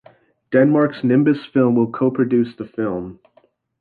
Denmark's Nimbus Film will co-produce the film.